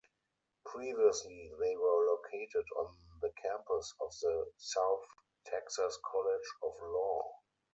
Previously they were located on the campus of the South Texas College of Law.